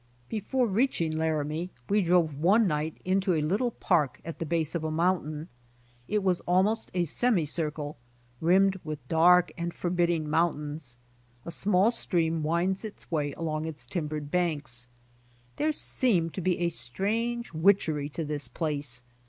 Before reaching Laramie we drove one night into a little park at the base of a mountain. It was almost a semi circle, rimmed with dark and forbidding CROSSING THE CHUGWATER 73 mountains. A small stream winds its way along its timbered banks. There seemed to be a strange witchery in this place.